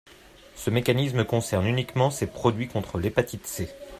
Ce mécanisme concerne uniquement ces produits contre l’hépatite C.